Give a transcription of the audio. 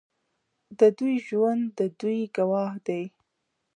د دوی ژوند د دوی ګواه دی.